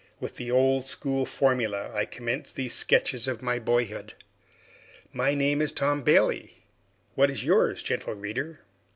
With the old school formula I commence these sketches of my boyhood. My name is Tom Bailey; what is yours, gentle reader?